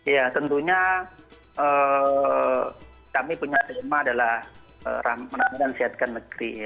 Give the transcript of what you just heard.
ya tentunya kami punya tema adalah ramadan sehatkan negeri